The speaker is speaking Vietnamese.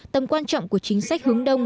tầm quan trọng của chính sách hướng đông